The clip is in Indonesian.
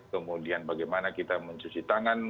kemudian bagaimana kita mencuci tangan